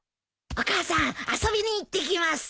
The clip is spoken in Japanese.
お母さん遊びに行ってきます。